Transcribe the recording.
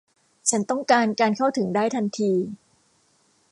ฉันต้องการการเข้าถึงได้ทันที